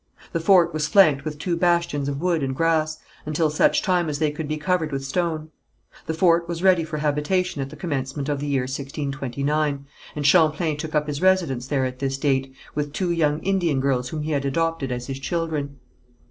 The fort was flanked with two bastions of wood and grass, until such time as they could be covered with stone. The fort was ready for habitation at the commencement of the year 1629, and Champlain took up his residence there at this date, with two young Indian girls whom he had adopted as his children.